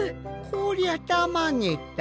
こりゃたまげた。